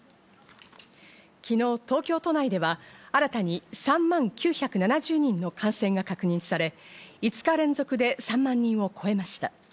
昨日、東京都内では新たに３万９７０人の感染が確認され、５日連続で３万人を超えました。